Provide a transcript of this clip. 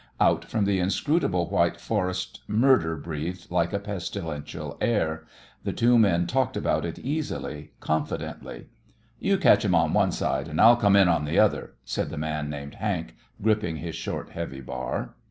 Out from the inscrutable white forest murder breathed like a pestilential air. The two men talked about it easily, confidently. "You ketch him on one side, and I'll come in on the other," said the man named Hank, gripping his short, heavy bar.